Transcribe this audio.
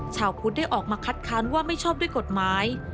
ชาวพุทธได้ออกมาคัดค้านว่าไม่ชอบด้วยกฎหมาย